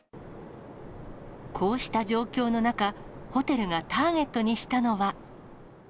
こうした状況の中、ホテルがターゲットにしたのは。